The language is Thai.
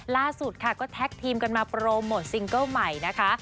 ล่าสุดค่ะก็แท็กทีมกันมาโปรโมทซิงเกิ้ลใหม่นะคะ